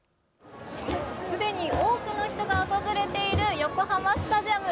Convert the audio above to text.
すでに多くの人が訪れている横浜スタジアム。